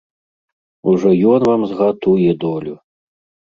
Ужо ён вам згатуе долю!